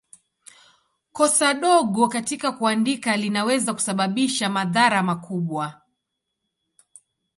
Kosa dogo katika kuandika linaweza kusababisha madhara makubwa.